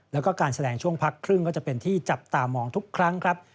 แล้วก็การแสดงช่วงพักครึ่งก็จะเป็นที่จับตามองทุกครั้งครับ